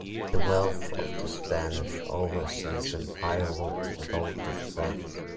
The wealth of the Spanish overseas empire would flow to France.